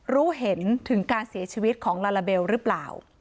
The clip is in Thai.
รู้เห็นถึงการเสียชีวิตของลาลาเบลหรือเปล่า